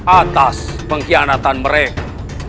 atas pengkhianatan mereka